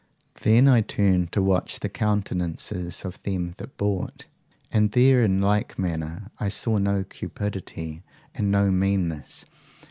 "'Then I turned to watch the countenances of them that bought. And there in like manner I saw no cupidity and no meanness.